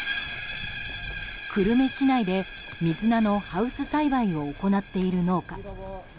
久留米市内で水菜のハウス栽培を行っている農家。